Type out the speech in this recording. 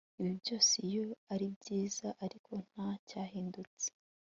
ibi byose iyo ari byiza ariko nta cyahindutse